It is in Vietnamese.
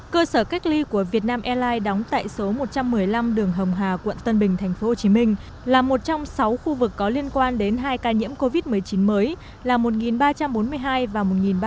cơ sở cách ly của việt nam airlines đóng tại số một trăm một mươi năm đường hồng hà quận tân bình tp hcm là một trong sáu khu vực có liên quan đến hai ca nhiễm covid một mươi chín mới là một ba trăm bốn mươi hai và một ba trăm ba